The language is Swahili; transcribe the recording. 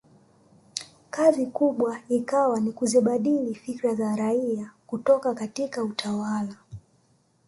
Kazi kubwa ikawa ni kuzibadili fikra za raia kutoka katika utawala